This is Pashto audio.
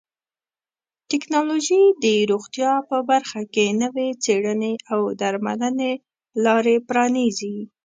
ټکنالوژي د روغتیا په برخه کې نوې څیړنې او درملنې لارې پرانیزي.